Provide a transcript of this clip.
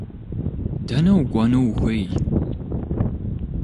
Дэнэ укӏуэну ухуей?